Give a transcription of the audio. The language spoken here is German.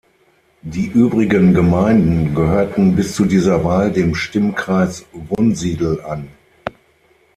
Die übrigen Gemeinden gehörten bis zu dieser Wahl dem Stimmkreis Wunsiedel an.